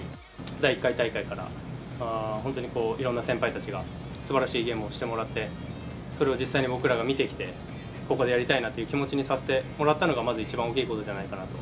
第１回大会から、本当にこう、いろんな先輩たちがすばらしいゲームをしてもらって、それを実際に僕らが見てきて、ここでやりたいなという気持ちにさせてもらったのが、まず一番大きいことじゃないかなと。